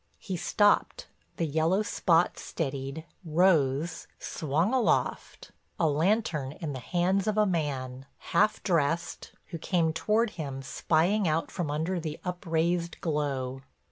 He stopped, the yellow spot steadied, rose, swung aloft—a lantern in the hands of a man, half dressed, who came toward him spying out from under the upraised glow.